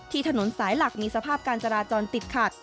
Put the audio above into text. ถนนสายหลักมีสภาพการจราจรติดขัด